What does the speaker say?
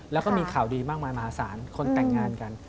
แล้วก็มีข่าวดีมากมายมหาศาลคนแต่งงานกัน